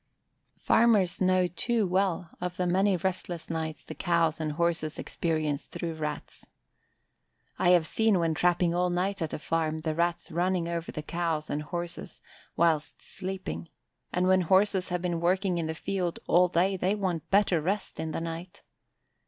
Farmers know too well of the many restless nights the cows and horses experience through Rats. I have seen when trapping all night at a farm the Rats running over the cows and horses whilst sleeping: and when horses have been working in the field all day they want better rest in the night.